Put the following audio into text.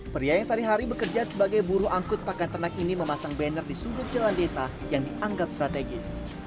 pria yang sehari hari bekerja sebagai buruh angkut pakan ternak ini memasang banner di sudut jalan desa yang dianggap strategis